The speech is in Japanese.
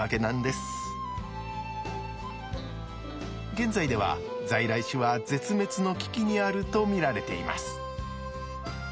現在では在来種は絶滅の危機にあると見られています。